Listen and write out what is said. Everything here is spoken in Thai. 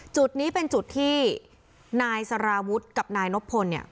จุดนี้เป็นจุดที่นายสารวุฒิกับนายนบพลเนี่ย